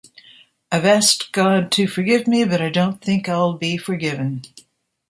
I've asked God to forgive me, but I don't think I'll be forgiven.